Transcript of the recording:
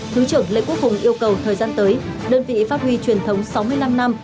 trung tướng lê quốc hùng yêu cầu thời gian tới đơn vị pháp huy truyền thống sáu mươi năm năm